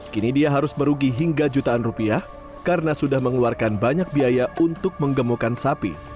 kini dia harus merugi hingga jutaan rupiah karena sudah mengeluarkan banyak biaya untuk menggemukkan sapi